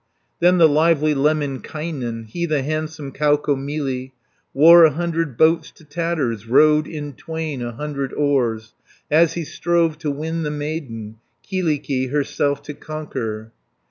Then the lively Lemminkainen, He the handsome Kaukomieli, Wore a hundred boats to tatters, Rowed in twain a hundred oars As he strove to win the maiden, Kyllikki herself to conquer.